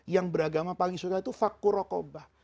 yang beragama paling sudah itu fakur rohkobah